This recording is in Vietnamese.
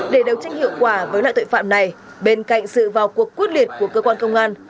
để đấu tranh hiệu quả với loại tội phạm này bên cạnh sự vào cuộc quyết liệt của cơ quan công an